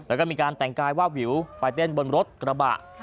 แล้วก็มีการแต่งกายวาบวิวไปเต้นบนรถกระบะ